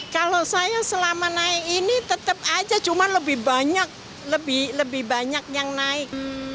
kalau saya selama naik ini tetap aja cuma lebih banyak lebih banyak yang naik